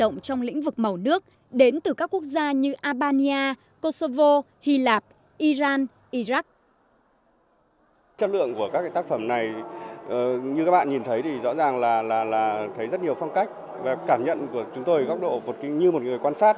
họa động trong lĩnh vực màu nước đến từ các quốc gia như albania kosovo hy lạp iran iraq